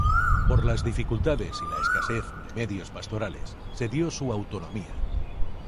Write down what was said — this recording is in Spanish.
Por las dificultades y la escasez de medios pastorales se dio su autonomía.